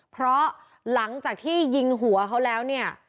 เพราะหลังจากที่ยิงหัวเขาแล้วเนี่ย